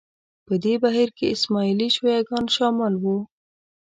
په دې بهیر کې اسماعیلي شیعه ګان شامل وو